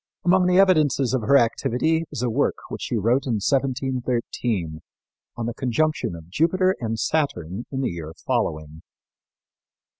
Among the evidences of her activity is a work which she wrote in 1713 on the conjunction of Jupiter and Saturn in the year following.